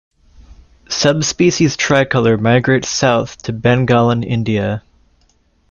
Subspecies "tricolor" migrates south to Bengal in India.